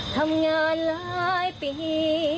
ทำงานหลายปี